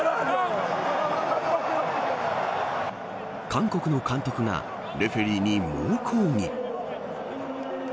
韓国の監督がレフェリーに猛抗議。